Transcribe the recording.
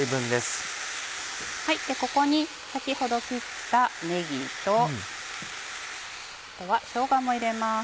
ここに先ほど切ったねぎとあとはしょうがも入れます。